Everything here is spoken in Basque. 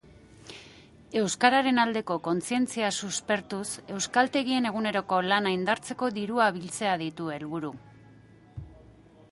Euskararen aldeko kontzientzia suspertuz euskaltegien eguneroko lana indartzeko dirua biltzea ditu helburu.